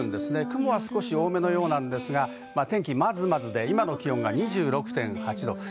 雲は少し多めですが、まずまずで、今の気温が２６．８度。